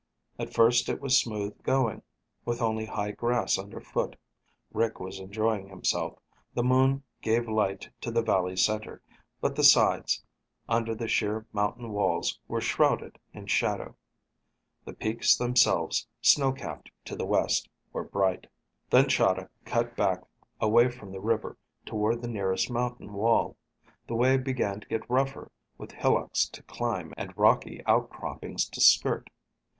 At first it was smooth going, with only high grass underfoot. Rick was enjoying himself. The moon gave light to the valley center, but the sides, under the sheer mountain walls, were shrouded in shadow. The peaks themselves, snow capped to the west, were bright. Then Chahda cut back away from the river toward the nearest mountain wall. The way began to get rougher, with hillocks to climb and rocky outcroppings to skirt.